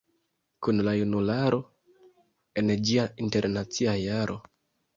Kun la junularo, en ĝia Internacia Jaro...".